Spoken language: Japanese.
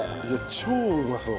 超うまそう。